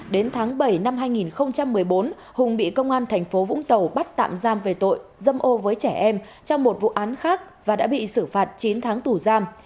đến tháng bảy năm hai nghìn một mươi bốn hùng bị công an thành phố vũng tàu bắt tạm giam về tội dâm ô với trẻ em trong một vụ án khác và đã bị xử phạt chín tháng tù giam